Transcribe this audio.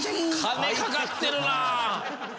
金かかってるな。